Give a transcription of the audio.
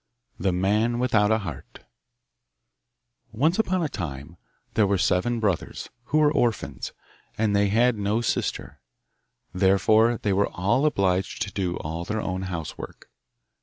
The Man Without a Heart Once upon a time there were seven brothers, who were orphans, and had no sister. Therefore they were obliged to do all their own housework.